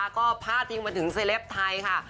ก็พาทิ้งมาถึงเซเลปท์ไทยค่ะ